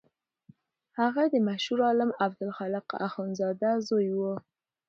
هغه د مشهور عالم عبدالخالق اخوندزاده زوی و.